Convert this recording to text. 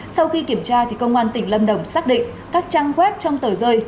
sau khi kiểm tra công an tỉnh lâm đồng xác định các trang web trong tờ rơi